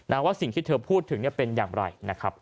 แล้วว่าสิ่งที่เธอพูดถึงเป็นอย่างไร